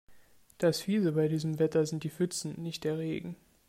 Das Fiese bei diesem Wetter sind die Pfützen, nicht der Regen.